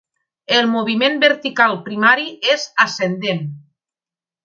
El moviment vertical primari és ascendent.